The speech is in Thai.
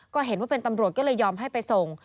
ก็เห็นว่าเป็นตำรวจก็เลยยอมให้ไปส่ง